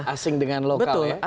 asing dengan lokal ya